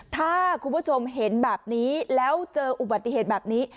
ถ้าคุณผู้ชมเห็นแบบนี้แล้วเจออุบัติเหตุแบบนี้